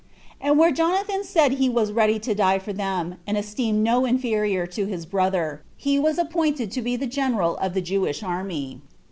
And where Jonathan said that he was ready to die for them, and esteemed no inferior to his brother, he was appointed to be the general of the Jewish army.